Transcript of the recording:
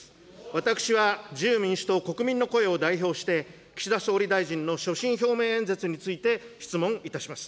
私は自由民主党・国民の声を代表して、岸田総理大臣の所信表明演説について質問いたします。